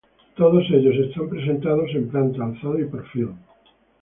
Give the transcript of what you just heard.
Todos ellos están presentados en planta, alzado y perfil.